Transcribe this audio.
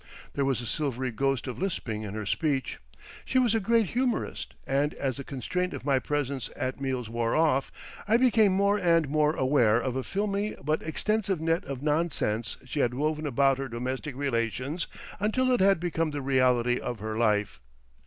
There was a silvery ghost of lisping in her speech. She was a great humourist, and as the constraint of my presence at meals wore off, I became more and more aware of a filmy but extensive net of nonsense she had woven about her domestic relations until it had become the reality of her life.